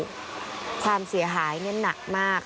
ความเสียหายหนักมาก